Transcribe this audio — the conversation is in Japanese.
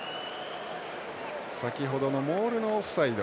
先程のモールのオフサイド